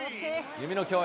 夢の共演。